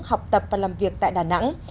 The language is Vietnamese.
học tập và làm việc tại đà nẵng